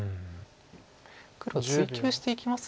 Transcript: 黒追及していきます